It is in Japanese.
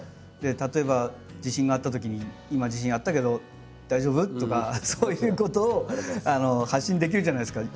例えば地震があったときに「今地震あったけど大丈夫？」とかそういうことを発信できるじゃないですか。